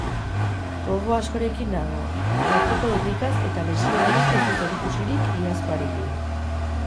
Gogo askorekin nago, jokatzeko irrikaz eta lesio honek ez du zerikusirik iazkoarekin.